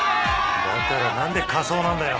だから何で仮装なんだよ！？